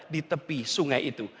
di tepi sungai itu